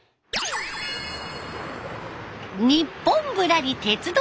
「ニッポンぶらり鉄道旅」。